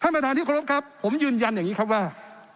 ประธานที่เคารพครับผมยืนยันอย่างนี้ครับว่า